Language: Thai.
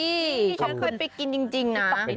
ที่ฉันเคยไปกินจริงนะ